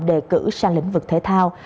đề cử sang lĩnh vực thể thao